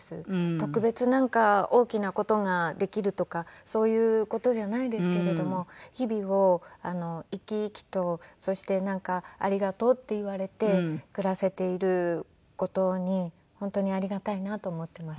特別なんか大きな事ができるとかそういう事じゃないですけれども日々を生き生きとそしてありがとうって言われて暮らせている事に本当にありがたいなと思ってます。